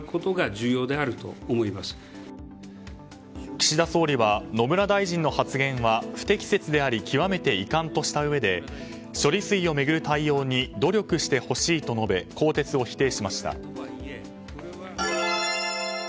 岸田総理は野村大臣の発言は不適切であり極めて遺憾としたうえで処理水を巡る対応に努力してほしいと述べ更迭を否定しました。